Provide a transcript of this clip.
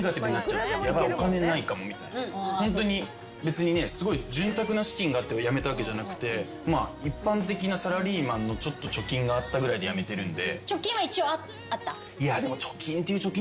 別にねすごい潤沢な資金があって辞めたわけじゃなくてまあ一般的なサラリーマンのちょっと貯金があったぐらいで辞めてるんで。